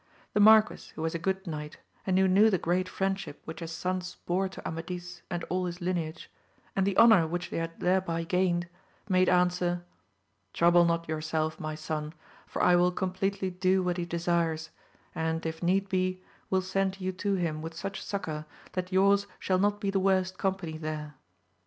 The marquis who was a good knight, and who knew the great friend ship which his sons bore to Amadis and all his lineage, and the honour which they had thereby gained, made answer. Trouble not yourself my son, for I will com pleatly do what he desires, and if need be, will send you to him with such succour, that your*s shall not be the worst company there.